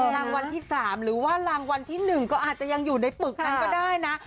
รางวัลที่๓หรือว่ารางวัลที่๑ก็อาจจะยังอยู่ในปึกนั้นก็ได้นะ